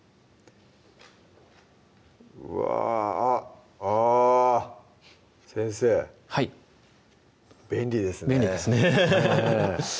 うわあっあぁ先生はい便利ですね便利ですねハハハ